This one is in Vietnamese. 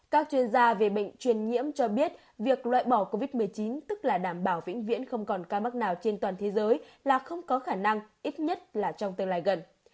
các chuyên gia về bệnh truyền nhiễm cho biết việc loại bỏ covid một mươi chín tức là đảm bảo vĩnh viễn không còn ca mắc nào trên toàn thế giới là không có khả năng ít nhất là trong tương lai gần